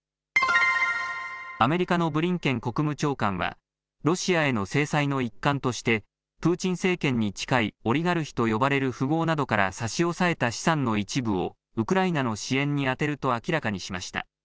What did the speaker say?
アメリカのブリンケン国務長官は、ロシアへの制裁の一環として、プーチン政権に近いオリガルヒと呼ばれる富豪などから差し押さえた資産の一部をウクライナの支援に充てると明らかにしました。